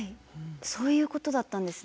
そういうことだったんですね。